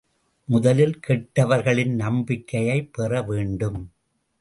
முதலில் கெட்டவர்களின் நம்பிக்கையைப் பெற வேண்டும்.